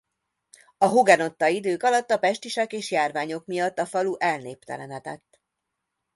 A Hugenotta-idők alatt a pestisek és járványok miatt a falu elnéptelenedett.